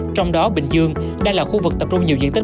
trong đó bình dương đang là khu vực tập trung nhiều diện tích